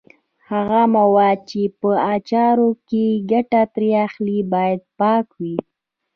هغه مواد چې په اچارو کې ګټه ترې اخلي باید پاک وي.